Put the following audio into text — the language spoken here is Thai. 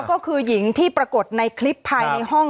ก็คือหญิงที่ปรากฏในคลิปภายในห้อง